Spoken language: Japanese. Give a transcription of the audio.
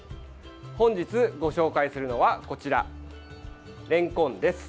本日ご紹介するのはこちら、れんこんです。